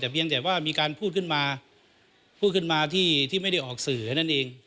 แต่เพียงแต่ว่ามีการพูดขึ้นมาที่ไม่ได้ออกสื่อแค่นั้นเอง